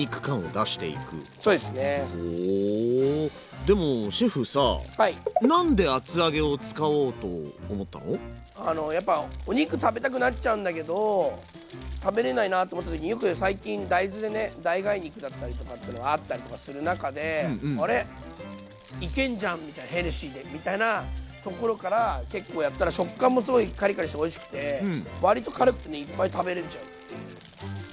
でもシェフさお肉食べたくなっちゃうんだけど食べれないなと思った時によく最近大豆でね代替肉だったりとかってのがあったりとかする中であれいけんじゃんヘルシーでみたいなところから結構やったら食感もすごいカリカリしておいしくて割と軽くねいっぱい食べれちゃうっていう。